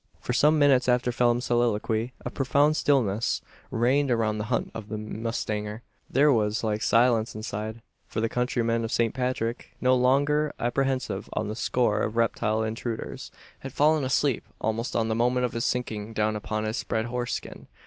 For some minutes after Phelim's soliloquy, a profound stillness reigned around the hut of the mustanger. There was like silence inside; for the countryman of Saint Patrick, no longer apprehensive on the score of reptile intruders, had fallen asleep, almost on the moment of his sinking down upon his spread horse skin.